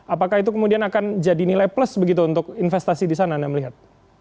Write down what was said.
apakah itu kemudian akan jadi nilai plus begitu untuk investasi di sana anda melihat